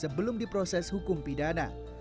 sebelum diproses hukum pidana